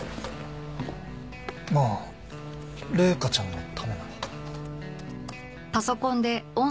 まあ麗華ちゃんのためなら。